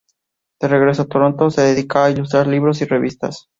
De regreso a Toronto, se dedica a ilustrar libros y revistas.